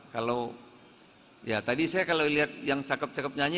kalau ya tadi saya kalau lihat yang cakep cakep nyanyi